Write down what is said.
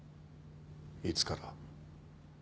いつから？